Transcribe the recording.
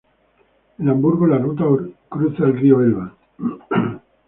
En Hamburgo la ruta cruza el río Elba.